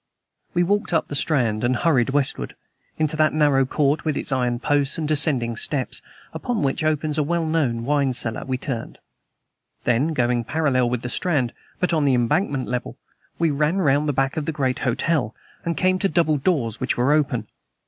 We walked up the Strand and hurried westward. Into that narrow court, with its iron posts and descending steps, upon which opens a well known wine cellar, we turned. Then, going parallel with the Strand, but on the Embankment level, we ran round the back of the great hotel, and came to double doors which were open.